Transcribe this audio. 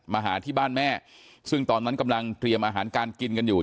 หาที่บ้านแม่ซึ่งตอนนั้นกำลังเตรียมอาหารการกินกันอยู่